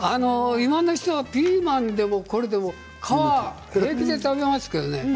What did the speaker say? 今の人はピーマンでもこれでも皮を平気で食べますけどね。